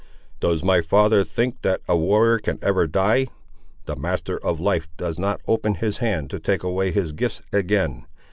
"Does my father think that a warrior can ever die? The Master of Life does not open his hand to take away his gifts again.